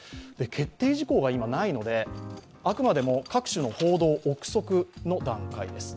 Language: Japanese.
決定事項がないので、あくまでも各社の報道、憶測の段階です。